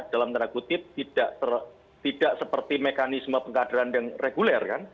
dalam tanda kutip tidak seperti mekanisme pengkaderan reguler kan